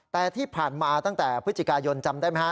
แต่ที่ผ่านมาตั้งแต่พฤศจิกายนจำได้ไหมฮะ